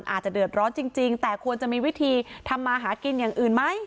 อาจจะเดือดร้อนจริงแต่ควรจะมีวิธีทำมาหากินอย่างอื่นไหม